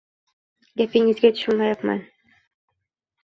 Gapingizgа tushunmayapman.